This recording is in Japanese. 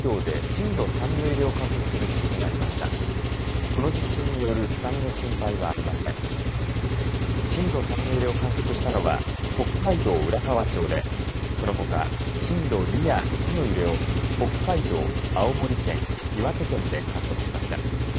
震度３の揺れを観測したのは北海道浦河町でこのほか震度２や１の揺れを北海道、青森県、岩手県で観測しました。